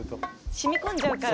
染み込んじゃうから。